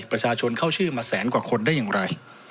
ประชาชนเข้าชื่อมาแสนกว่าคนได้อย่างไร